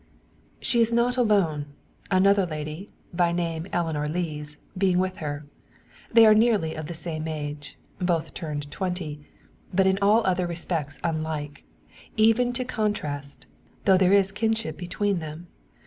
She is not alone; another lady, by name Eleanor Lees, being with her. They are nearly of the same age both turned twenty but in all other respects unlike, even to contrast, though there is kinship between them.